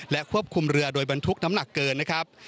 ควบคุมเรือโดยบรรทุกน้ำหนักเกินนะครับ